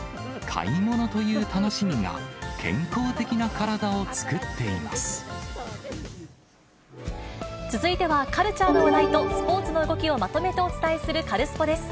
買い物という楽しみが、続いては、カルチャーの話題とスポーツの動きをまとめてお伝えするカルスポっ！です。